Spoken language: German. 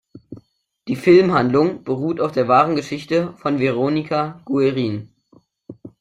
Die Filmhandlung beruht auf der wahren Geschichte von Veronica Guerin.